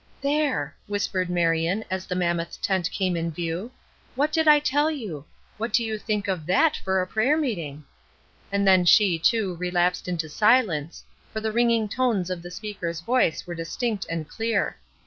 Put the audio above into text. "There!" whispered Marion as the mammoth tent came in view. "What did I tell you? What do you think of that for a prayer meeting?" And then she, too, relapsed into silence, for the ringing tones of the speaker's voice were distinct and clear.